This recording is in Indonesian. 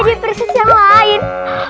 aku jadi prinses yang lain